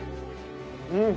うん。